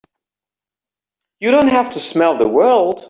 You don't have to smell the world!